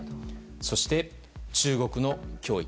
そして、中国の脅威。